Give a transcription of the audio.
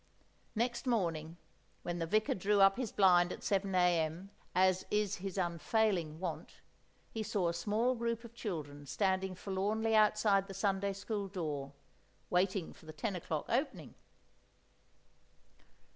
Next morning, when the Vicar drew up his blind at 7 A.M., as is his unfailing wont, he saw a small group of children standing forlornly outside the Sunday school door, waiting for the 10 o'clock opening!